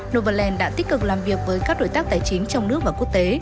novaland đã tích cực làm việc với các đối tác tài chính trong nước và quốc tế